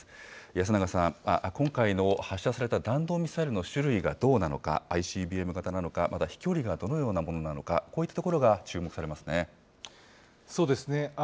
安永さん、今回の発射された弾道ミサイルの種類がどうなのか、ＩＣＢＭ型なのか、また飛距離がどのようなものなのか、こういったところが注そうですね。